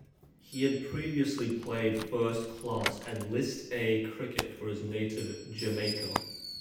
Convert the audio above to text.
He had previously played first-class and List A cricket for his native Jamaica.